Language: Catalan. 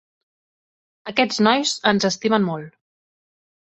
Aquests nois ens estimen molt.